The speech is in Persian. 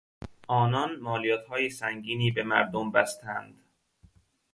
آنان مالیاتهای سنگینی به مردم بستند.